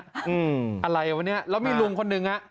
อะไรวะเนี่ยแล้วมีลุงคนหนึ่งฮะ